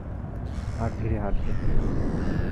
আর ধীরে হাঁটবে।